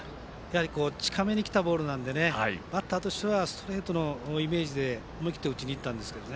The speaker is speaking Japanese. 近めにきたボールなのでバッターとしてはストレートのイメージで思い切って打ちにいったんですが。